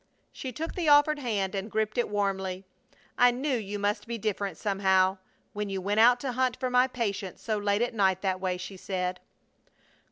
She took the offered hand and gripped it warmly. "I knew you must be different, somehow, when you went out to hunt for my patient so late at night that way," she said.